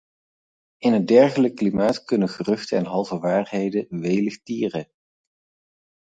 In een dergelijk klimaat kunnen geruchten en halve waarheden welig tieren.